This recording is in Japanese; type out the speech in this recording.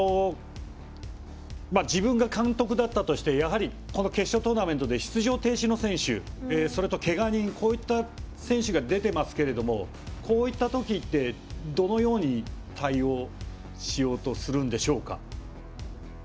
自分が監督だったとしてこの決勝トーナメントで出場停止の選手それとけが人こういった選手が出ていますがこういった時ってどのように対応するんでしょうか。